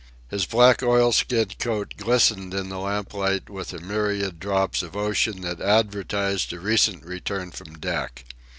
His black oilskin coat glistened in the lamplight with a myriad drops of ocean that advertised a recent return from deck.